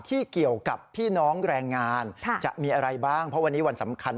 ที่เกี่ยวกับพี่น้องแรงงานจะมีอะไรบ้างเพราะวันนี้วันสำคัญ